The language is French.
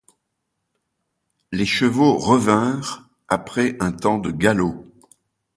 Les chevaux revinrent, après un temps de galop.